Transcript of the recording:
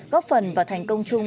góp phần và thành công chung